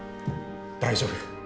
大丈夫。